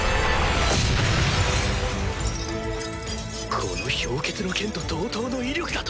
この氷結の剣と同等の威力だと？